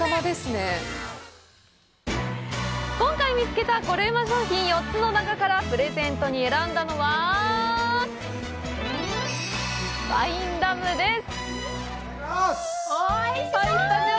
今回、見つけたコレうま商品４つの中からプレゼントに選んだのはワインラムです！